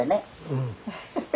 うん。